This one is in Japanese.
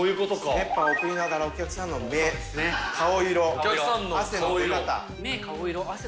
熱波を送りながら、お客さんの目、顔色、汗の出方。